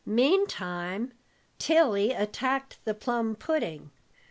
Meantime Tilly attacked the plum pudding.